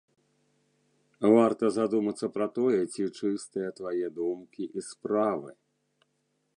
Варта задумацца пра тое, ці чыстыя твае думкі і справы.